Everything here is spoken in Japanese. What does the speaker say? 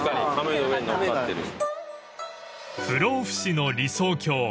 ［不老不死の理想郷竜